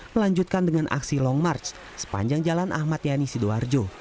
melanjutkan dengan aksi long march sepanjang jalan ahmad yani sidoarjo